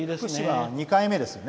福島は２回目ですよね。